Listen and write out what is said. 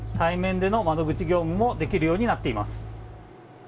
対面での窓口業務もできるようになっています。